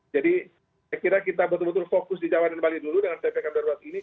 jadi saya kira kita betul betul fokus di jawa dan bali dulu dengan ppk darurat ini